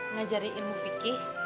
ngajarin ilmu fikih